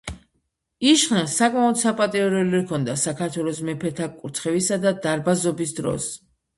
იშხნელს საკმაოდ საპატიო როლი ჰქონდა საქართველოს მეფეთა კურთხევისა და დარბაზობის დროს.